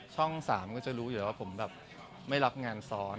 ช่อง๓ก็จะรู้อยู่แล้วว่าผมแบบไม่รับงานซ้อน